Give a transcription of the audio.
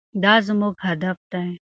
دا زموږ هدف دی.